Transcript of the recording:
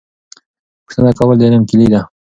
پوښتنه کول د علم کیلي ده.